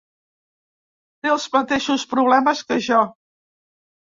Té els mateixos problemes que jo.